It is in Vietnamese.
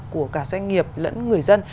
của cả doanh nghiệp lẫn người dân